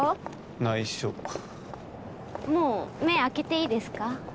ないしょもう目開けていいですか？